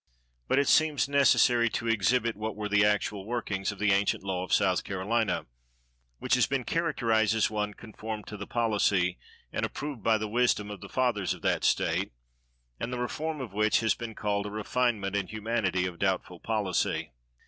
But it seems necessary to exhibit what were the actual workings of the ancient law of South Carolina, which has been characterized as one "conformed to the policy, and approved by the wisdom," of the fathers of that state, and the reform of which has been called "a refinement in humanity of doubtful policy."